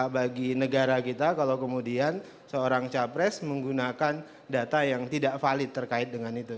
bagi negara kita kalau kemudian seorang capres menggunakan data yang tidak valid terkait dengan itu